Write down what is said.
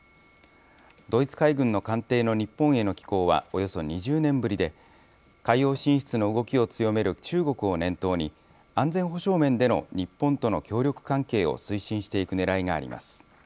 ドイツ海軍の艦艇の日本への寄港はおよそ２０年ぶりで、海洋進出の動きを強める中国を念頭に、安全保障面での日本との協力関係を推進していくねらいがあります。